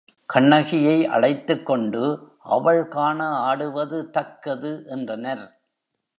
கண்ணகியை அழைத்துக் கொண்டு அவள் காண ஆடுவது தக்கது என்றனர்.